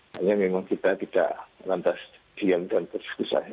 hanya memang kita tidak lantas diam dan bersekusah